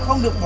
không được sợ